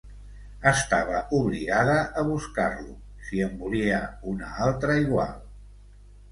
Estava obligada a buscar-lo, si en volia una altra igual.